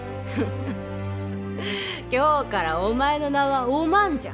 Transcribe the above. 今日からお前の名はお万じゃ。